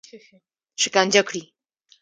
شکنجه کړي.